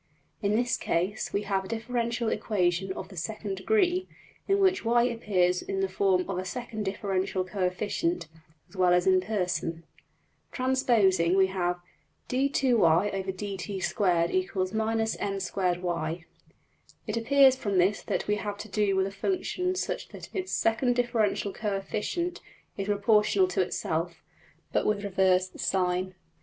In this case we have a differential equation of the second degree, in which $y$ appears in the form of a second differential coefficient, as well as in person. Transposing, we have $\dfrac{d^2 y}{dt^2} = n^2 y$. It appears from this that we have to do with a function such that its second differential coefficient is proportional to itself, but with reversed sign.